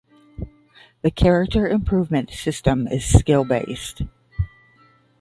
The character improvement system is skill-based.